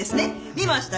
見ましたよ。